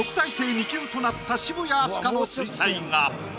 ２級となった渋谷飛鳥の水彩画。